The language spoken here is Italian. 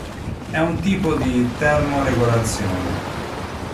È un tipo di termoregolazione.